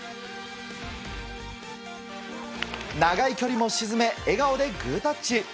長い距離も沈め笑顔でグータッチ。